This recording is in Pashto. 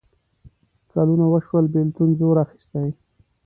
کلونه وشول بېلتون زور اخیستی.